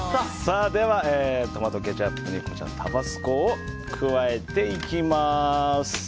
では、トマトケチャップにタバスコを加えていきます。